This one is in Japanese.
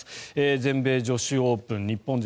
全米女子オープン日本勢